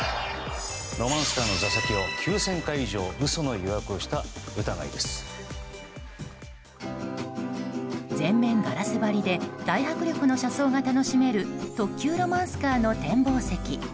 ロマンスカーの座席を９０００回以上全面ガラス張りで大迫力の車窓が楽しめる特急ロマンスカーの展望席。